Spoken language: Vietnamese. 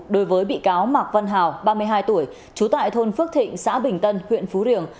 đối với bị cáo mạc văn hào ba mươi hai tuổi trú tại thôn phước thịnh xã bình tân huyện phú riềng